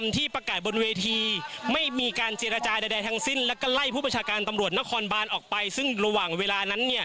ตำรวจนครบานออกไปซึ่งระหว่างเวลานั้น